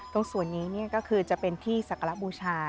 ตรงส่วนนี้ก็คือจะเป็นที่ศักระบูชา